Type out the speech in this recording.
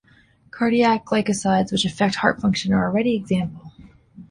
Cardiac glycosides, which affect heart function, are a ready example.